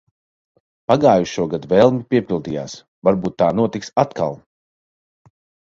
Pagājušogad vēlme piepildījās. Varbūt tā notiks atkal.